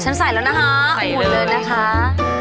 ฉันใส่แล้วนะคะอุ่นเลยนะคะ